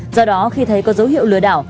do đó khi thấy có dấu hiệu lừa đảo